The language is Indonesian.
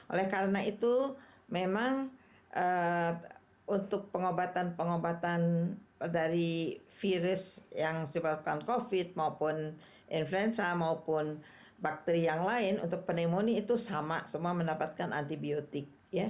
oleh karena itu memang untuk pengobatan pengobatan dari virus yang sebabkan covid maupun influenza maupun bakteri yang lain untuk pneumonia itu sama semua mendapatkan antibiotik